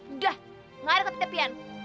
udah gak ada tepi tepian